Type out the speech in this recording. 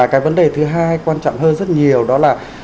cái vấn đề thứ hai quan trọng hơn rất nhiều đó là